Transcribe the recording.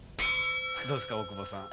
どうですか大久保さん？